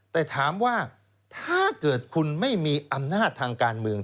แต่ถามว่าถ้าเกิดคุณไม่มีอำนาจทางการเมือง